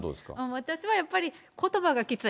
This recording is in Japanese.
私はやっぱり、ことばがきつい。